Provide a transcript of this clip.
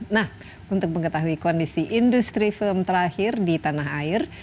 nah untuk mengetahui kondisi industri film terakhir di tanah air